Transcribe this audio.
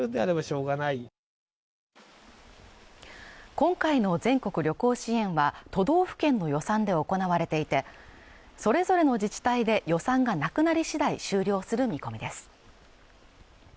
今回の全国旅行支援は都道府県の予算で行われていてそれぞれの自治体で予算がなくなりしだい終了する見込みです